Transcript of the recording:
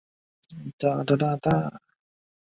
共和广场是意大利佛罗伦萨的一个城市广场。